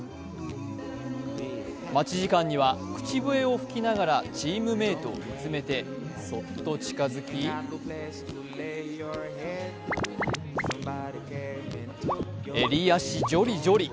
待ち時間には、口笛を吹きながらチームメートを見つめてそっと近づき襟足ジョリジョリ。